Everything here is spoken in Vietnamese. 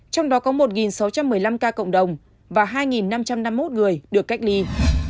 trong đó có một sáu trăm một mươi năm ca cộng đồng và hai năm trăm năm mươi một người được cách ly